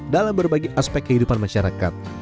dalam berbagai aspek kehidupan masyarakat